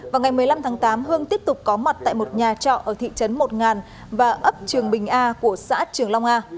vào ngày một mươi năm tháng tám hương tiếp tục có mặt tại một nhà trọ ở thị trấn một và ấp trường bình a của xã trường long a